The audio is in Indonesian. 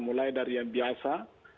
mulai dari yang biasa